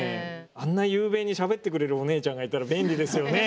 あんな雄弁にしゃべってくれるお姉ちゃんがいたら便利ですよね。